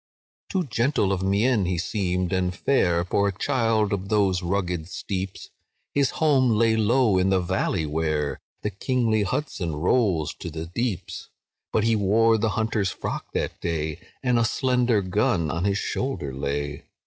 "Too gentle of mien he seemed, and fair, For a child of those rugged steeps; His home lay low in the valley, where The kingly Hudson rolls to the deeps; But he wore the hunter's frock that day, And a slender gun on his shoulder lay.